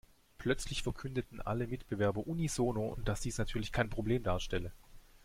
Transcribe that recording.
Plötzlich verkündeten alle Mitbewerber unisono, dass dies natürlich kein Problem darstelle.